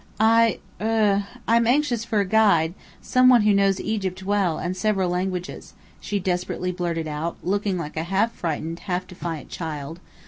"I er I am anxious for a guide, some one who knows Egypt well, and several languages," she desperately blurted out, looking like a half frightened, half defiant child.